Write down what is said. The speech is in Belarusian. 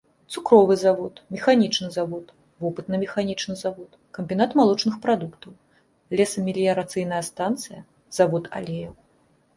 Цукровы завод, механічны завод, вопытна-механічны завод, камбінат малочных прадуктаў, лесамеліярацыйная станцыя, завод алеяў.